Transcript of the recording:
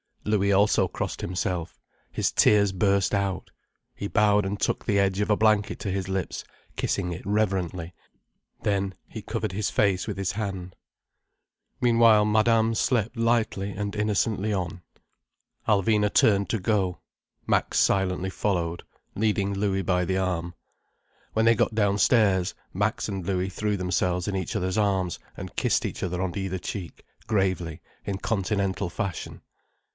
Louis also crossed himself. His tears burst out. He bowed and took the edge of a blanket to his lips, kissing it reverently. Then he covered his face with his hand. Meanwhile Madame slept lightly and innocently on. Alvina turned to go. Max silently followed, leading Louis by the arm. When they got downstairs, Max and Louis threw themselves in each other's arms, and kissed each other on either cheek, gravely, in Continental fashion.